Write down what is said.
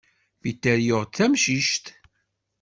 Peter yuɣ-d tamcict.